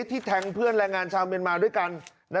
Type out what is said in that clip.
แทงเพื่อนแรงงานชาวเมียนมาด้วยกัน